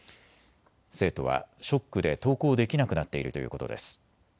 生徒はショックで登校できなくなっているということです。